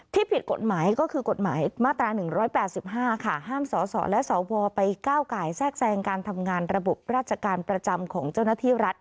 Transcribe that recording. ผิดกฎหมายก็คือกฎหมายมาตรา๑๘๕ค่ะห้ามสสและสวไปก้าวไก่แทรกแทรงการทำงานระบบราชการประจำของเจ้าหน้าที่รัฐ